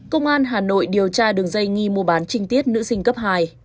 công an hà nội điều tra đường dây nghi mua bán chinh tiết nữ sinh cấp hai